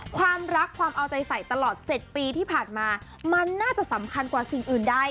ความรักความเอาใจใส่ตลอด๗ปีที่ผ่านมามันน่าจะสำคัญกว่าสิ่งอื่นได้